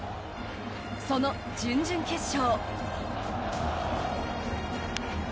その準々決勝。